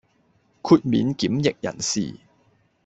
豁免檢疫人士